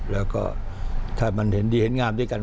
แล้วก็ถ้ามันเห็นดีเห็นงามด้วยกัน